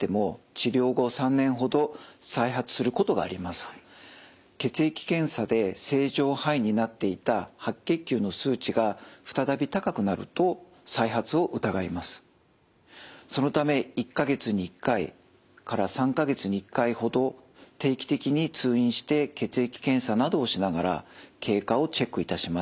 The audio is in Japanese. ただ急性骨髄性は血液検査で正常範囲になっていたそのため１か月に１回から３か月に１回ほど定期的に通院して血液検査などをしながら経過をチェックいたします。